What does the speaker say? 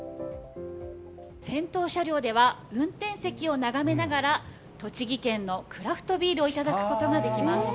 先頭車両では運転席を眺めながら、栃木県のクラフトビールを頂くことができます。